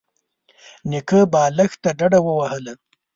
نيکه بالښت ته ډډه ووهله.